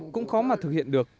cũng khó mà thực hiện được